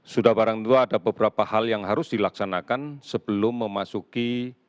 sudah barang tua ada beberapa hal yang harus dilaksanakan sebelum memasuki